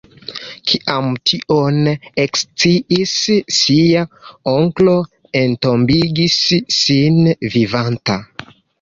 Kiam tion eksciis ŝia onklo entombigis ŝin vivanta.